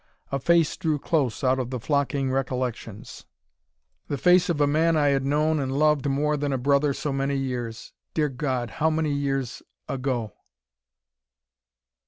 A face drew close out of the flocking recollections; the face of a man I had known and loved more than a brother so many years dear God, how many years ago.